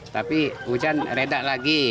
tapi hujan reda lagi